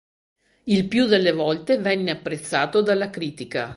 Il più delle volte venne apprezzato dalla critica.